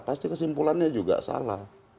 pasti kesimpulannya juga salah